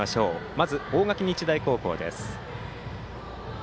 まず、大垣日大高校です。